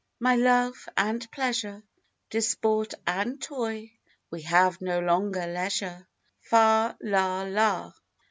my love and pleasure! To sport and toy We have no longer leisure. Fa la la!